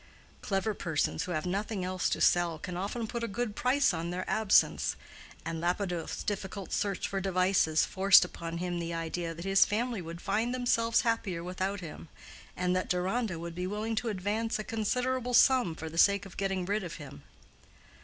Clever persons who have nothing else to sell can often put a good price on their absence, and Lapidoth's difficult search for devices forced upon him the idea that his family would find themselves happier without him, and that Deronda would be willing to advance a considerable sum for the sake of getting rid of him.